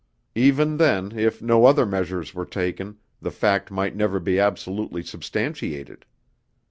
Even then, if no other measures were taken, the fact might never be absolutely substantiated.